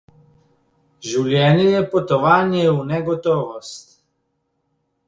Življenje je potovanje v negotovost.